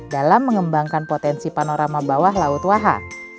dalam mengembangkan potensi panorama bawah laut waha